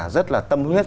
rất là tâm huyết